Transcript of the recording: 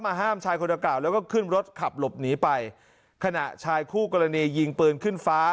ห้ามชายคนเก่าแล้วก็ขึ้นรถขับหลบหนีไปขณะชายคู่กรณียิงปืนขึ้นฟ้า